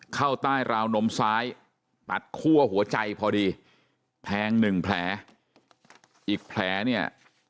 เข้าใต้ราวนมซ้ายตัดคั่วหัวใจพอดีแทงหนึ่งแผลอีกแผลเนี่ย